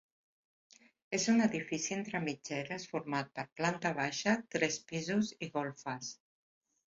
És un edifici entre mitgeres format per planta baixa, tres pisos i golfes.